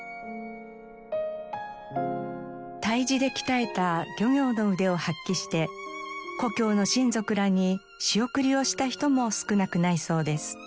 太地で鍛えた漁業の腕を発揮して故郷の親族らに仕送りをした人も少なくないそうです。